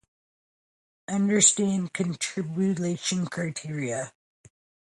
The highest point in Bridgewater is Peaked Hill, at above sea level.